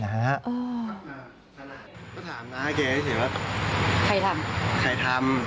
ทำไมเก่งถึงทำแกบอกผิดคุณไหม